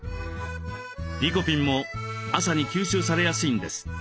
リコピンも朝に吸収されやすいんです。